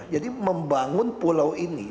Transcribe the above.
jadi membangun pulau ini